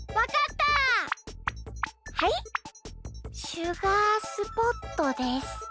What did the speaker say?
シュガースポットです。